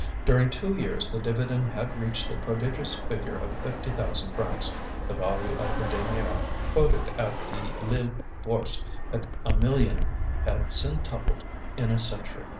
During two years the dividend had reached the prodigious figure of fifty thousand francs; the value of the denier, quoted at the Lille bourse at a million, had centupled in a century.